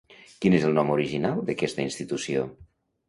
Quin és el nom original d'aquesta institució?